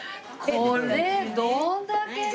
これどんだけの。